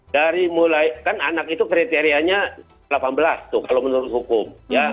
dari mulai kan anak itu kriterianya delapan belas tuh kalau menurut hukum